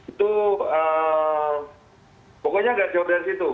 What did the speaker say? itu pokoknya nggak jauh dari situ